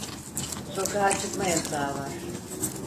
Sokağa çıkma yasağı var.